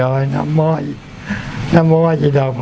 rồi năm môi năm môi ba chị đào phật